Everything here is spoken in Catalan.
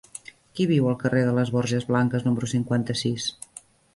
Qui viu al carrer de les Borges Blanques número cinquanta-sis?